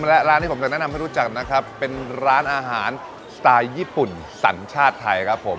และร้านที่ผมจะแนะนำให้รู้จักนะครับเป็นร้านอาหารสไตล์ญี่ปุ่นสัญชาติไทยครับผม